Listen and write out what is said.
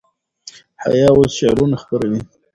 حیا اوس شعرونه خپروي.